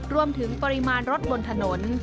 รวมถึงปริมาณรถบนถนน